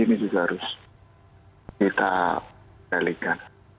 ini juga harus kita dalikan